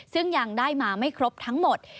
ซึ่งยังได้มาไม่ครบทั้งหมด